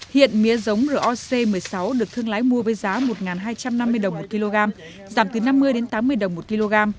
hiện mía giống roc một mươi sáu được thương lái mua với giá một hai trăm năm mươi đồng một kg giảm từ năm mươi tám mươi đồng một kg